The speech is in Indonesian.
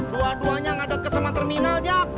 dua duanya nggak deket sama terminal jak